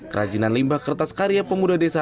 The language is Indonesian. kerajinan limbah kertas karya pemuda desa